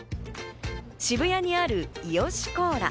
渋谷にある伊良コーラ。